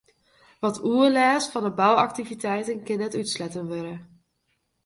Wat oerlêst fan 'e bouaktiviteiten kin net útsletten wurde.